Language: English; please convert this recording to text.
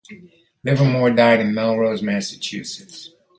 Livermore died in Melrose, Massachusetts.